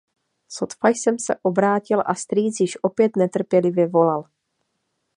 Sotva jsem se obrátil, a strýc již opět netrpělivě volal.